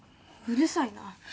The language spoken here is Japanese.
うるさいな。